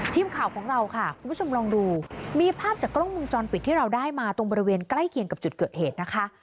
ทีมข่าวของเราค่ะคุณผู้ชมลองดูมีภาพจากกล้องมุมจรปิดที่เราได้มาตรงบริเวณใกล้เคียงกับจุดเกิดเหตุนะคะ